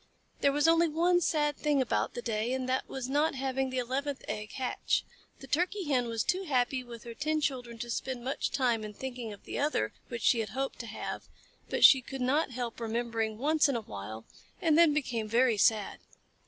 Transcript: There was only one sad thing about the day, and that was not having the eleventh egg hatch. The Turkey Hen was too happy with her ten children to spend much time in thinking of the other which she had hoped to have, but she could not help remembering once in a while, and then she became very sad.